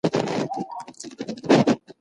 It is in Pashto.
کمپيوټر الوتني ثبتوي.